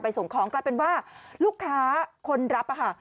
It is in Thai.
เป็นว่าลูกค้าคนรับค่ะ